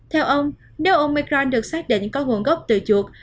theo ông nếu omicron được xác định có nguồn gốc từ chuột